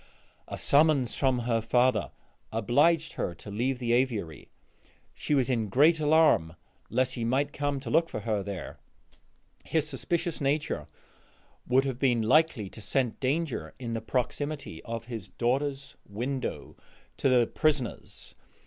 A summons from her father obliged her to leave the aviary. She was in great alarm lest he might come to look for her there; his suspicious nature would have been likely to scent danger in the proximity of his daughter's window to the prisoner's.